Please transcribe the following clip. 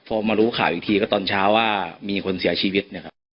พอมารู้ข่าวอีกทีก็ตอนเช้าว่ามีคนเสียชีวิตนะครับ